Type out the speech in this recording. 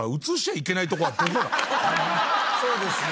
そうですね。